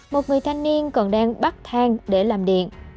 một người thanh niên còn đang bắt thang để làm điện